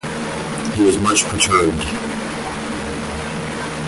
He was much perturbed.